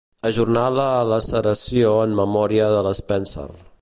Ajornar la laceració en memòria de la Spencer.